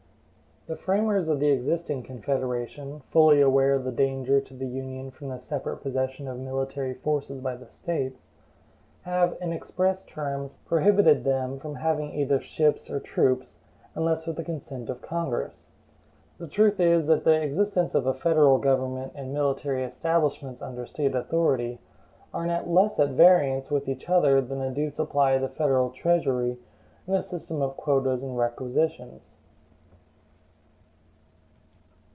The framers of the existing Confederation, fully aware of the danger to the Union from the separate possession of military forces by the States, have, in express terms, prohibited them from having either ships or troops, unless with the consent of Congress. The truth is, that the existence of a federal government and military establishments under State authority are not less at variance with each other than a due supply of the federal treasury and the system of quotas and requisitions.